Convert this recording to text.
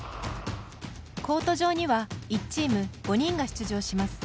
コート上には１チーム、５人が出場します。